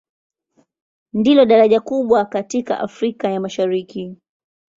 Ndilo daraja kubwa katika Afrika ya Mashariki.